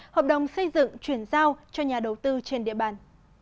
hợp đồng xây dựng chuyển giao cho nhà đầu tư trên địa bàn